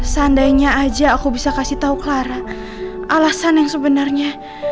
seandainya aja aku bisa kasih tahu clara alasan yang sebenarnya